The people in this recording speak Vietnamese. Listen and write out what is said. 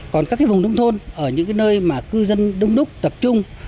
còn các vùng nông thôn ở những nơi mà cư dân đông đúc tập trung